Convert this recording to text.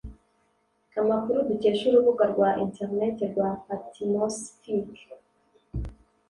Amakuru dukesha urubuga rwa Internet rwa patmosfc